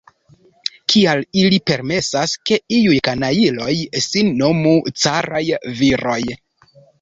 Kial ili permesas, ke iuj kanajloj sin nomu caraj viroj?